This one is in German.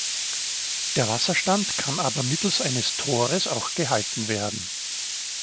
Der Wasserstand kann aber mittels eines Tores auch gehalten werden.